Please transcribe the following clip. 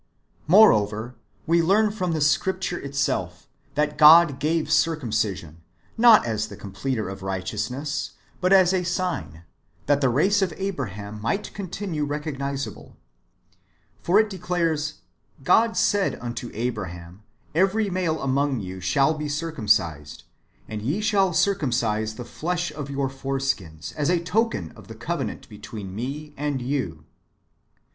Moreover, we learn from the Scripture itself, that God gave circumcision, not as the completer of righteousness, but 1 1 Cor. vii. 25. 1 Cor. vii. 5. = ;^].^tt. xx. 16. 422 IRENjEUS against HERESIES. [Book iv. as a sign, that the race of Abraham might continue recog nisable. For it declares :" God said unto Abraham, Every male among you shall be circumcised ; and ye shall circumcise the flesh of your foreskins, as a token of the covenant between me and you."